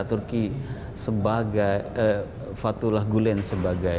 menjadi kelompok fatuna gulen sebagai perusahaan teror itu berimplikasi pada kebijakan